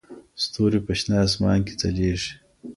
ستوري په شنه اسمان کې ځلېږي.